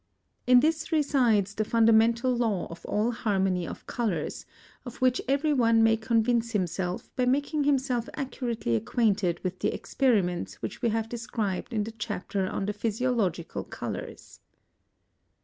In this resides the fundamental law of all harmony of colours, of which every one may convince himself by making himself accurately acquainted with the experiments which we have described in the chapter on the physiological colours.